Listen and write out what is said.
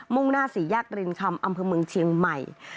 ่งหน้าสี่แยกรินคำอำเภอเมืองเชียงใหม่